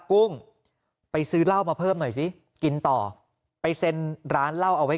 กุ้งไปซื้อเหล้ามาเพิ่มหน่อยสิกินต่อไปเซ็นร้านเหล้าเอาไว้